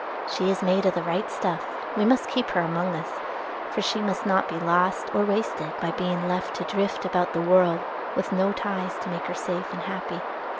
"She is made of the right stuff, and we must keep her among us; for she must not be lost or wasted by being left to drift about the world with no ties to make her safe and happy.